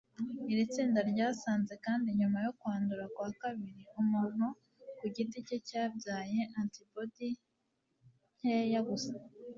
Iri tsinda ryasanze kandi nyuma yo kwandura kwa kabiri, umuntu ku giti cye yabyaye antibodi nkeya gusa